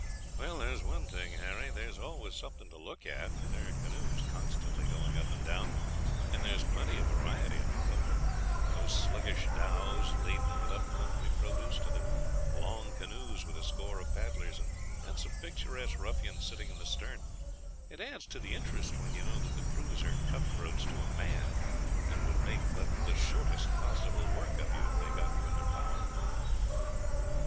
"There is one thing, Harry there is always something to look at, for there are canoes constantly going up and down, and there is plenty of variety among them from the sluggish dhows, laden with up country produce, to the long canoes with a score of paddlers and some picturesque ruffian sitting in the stern. It adds to the interest when you know that the crews are cutthroats to a man, and would make but the shortest possible work of you if they had got you in their power."